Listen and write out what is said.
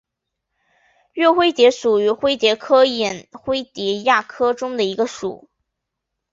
岳灰蝶属是灰蝶科眼灰蝶亚科中的一个属。